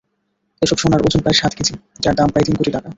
এসব সোনার ওজন প্রায় সাত কেজি, যার দাম প্রায় তিন কোটি টাকা।